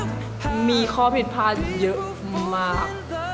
ก็มีข้อผิดผลเยอะมาก